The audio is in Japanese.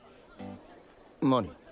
何？